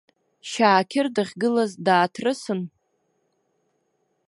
Шьаақьыр дахьгылаз дааҭрысын.